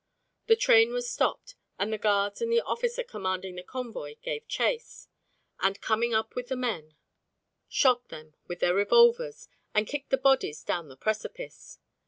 The train was stopped and the guards and the officer commanding the convoy gave chase, and, coming up with the men, shot them with their revolvers and kicked the bodies down the precipice.